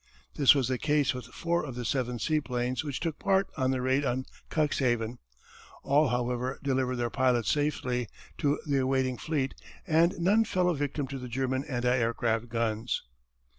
This was the case with four of the seven seaplanes which took part in the raid on Cuxhaven. All however delivered their pilots safely to the awaiting fleet and none fell a victim to the German anti aircraft guns.